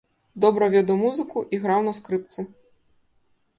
Добра ведаў музыку і граў на скрыпцы.